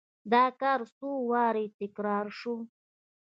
دا کار څو وارې تکرار شو.